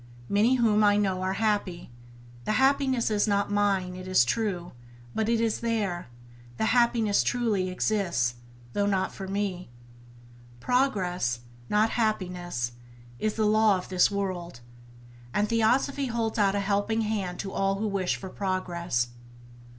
many whom I know are happy; the [Page 5] happiness is not mine, it is true, but it is there, the happiness truly exists, though not for me. "Progress, not happiness, is the law of this world" — and Theosophy holds out a helping hand to all who wish for progress.